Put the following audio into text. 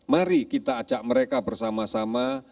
mari kita ajak mereka bersama sama